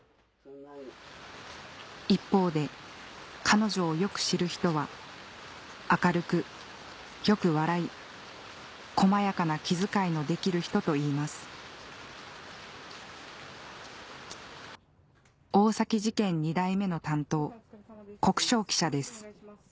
一方で彼女をよく知る人は明るくよく笑い細やかな気遣いのできる人といいます大崎事件２代目の担当國生記者です